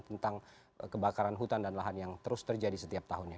tentang kebakaran hutan dan lahan yang terus terjadi setiap tahunnya